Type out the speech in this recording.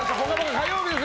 火曜日です。